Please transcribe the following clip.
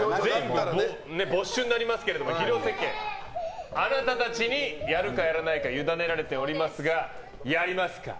没収になりますけども廣瀬家、あなたたちにやるかやらないか委ねられておりますがやりますか？